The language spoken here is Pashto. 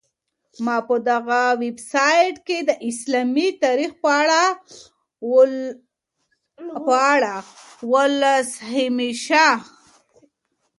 ما په دغه ویبسایټ کي د اسلامي تاریخ په اړه ولوسهمېشه.